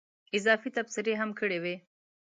اضافي تبصرې هم کړې وې.